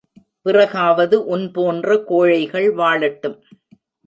பிறகாவது உன் போன்ற கோழைகள் வாழட்டும்.